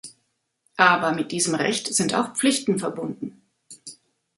Aber mit diesem Recht sind auch Pflichten verbunden.